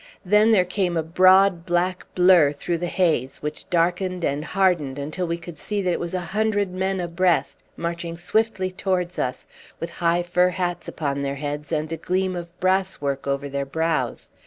Then there came a broad black blurr through the haze, which darkened and hardened until we could see that it was a hundred men abreast, marching swiftly towards us, with high fur hats upon their heads and a gleam of brasswork over their brows.